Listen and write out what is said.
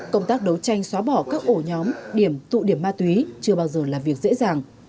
công tác đấu tranh xóa bỏ các ổ nhóm điểm tụ điểm ma túy chưa bao giờ là việc dễ dàng